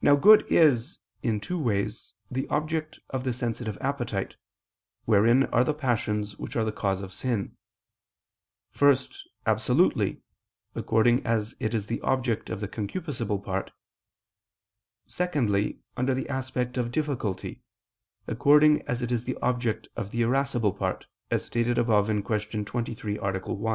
Now good is, in two ways, the object of the sensitive appetite, wherein are the passions which are the cause of sin: first, absolutely, according as it is the object of the concupiscible part; secondly, under the aspect of difficulty, according as it is the object of the irascible part, as stated above (Q. 23, A. 1).